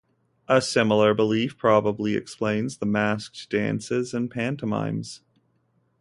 A similar belief probably explains the masked dances and pantomimes.